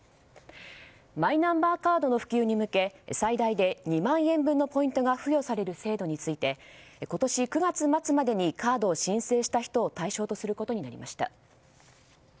マイナンバーカードの普及に向け最大で２万円分のポイントが付与される制度について今年９月末までにカードを申請した人を対象とすることになりました。